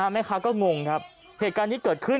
เมฆคะก็งงเหตุการณ์นี้เกิดขึ้น